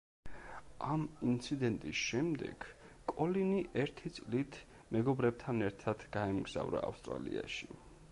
ამ ინციდენტის შემდეგ კოლინი ერთი წლით მეგობრებთან ერთად გაემგზავრა ავსტრალიაში.